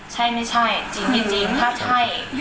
ใช่ไม่ใช่จริงถ้าใช่